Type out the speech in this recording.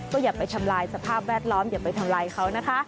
ก็อย่าไปทำลายสภาพแวดล้อมอย่าไปทำลายเขานะคะ